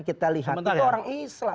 kita lihat itu orang islam